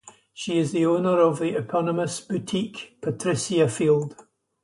She is the owner of the eponymous boutique Patricia Field.